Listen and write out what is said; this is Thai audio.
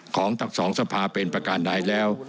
ของทั้งสองสภาเป็นประการใดแล้ว